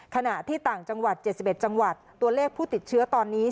ขณะที่ต่างจังหวัด๗๑จังหวัดตัวเลขผู้ติดเชื้อตอนนี้